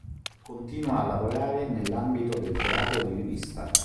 Continua a lavorare nell'ambito del teatro di rivista.